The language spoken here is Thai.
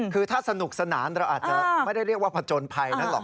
คือถ้าสนุกสนานเราอาจจะไม่ได้เรียกว่าผจญภัยนั้นหรอก